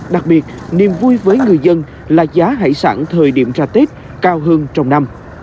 đặc biệt niềm vui với người dân là giá hải sản thời điểm ra tết cao hơn trong năm